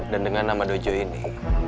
dan dengan nama dojo ini